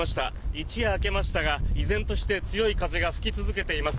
一夜明けましたが、依然として強い風が吹き続けています。